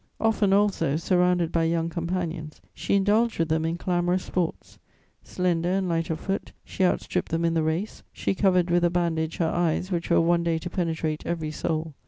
"Often also, surrounded by young companions, she indulged with them in clamorous sports. Slender and light of foot, she outstripped them in the race; she covered with a bandage her eyes which were one day to penetrate every soul.